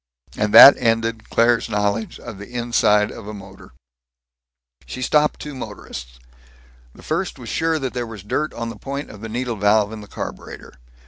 And that ended Claire's knowledge of the inside of a motor. She stopped two motorists. The first was sure that there was dirt on the point of the needle valve, in the carburetor.